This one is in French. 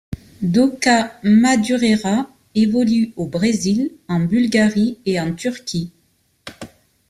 Doka Madureira évolue au Brésil, en Bulgarie et en Turquie.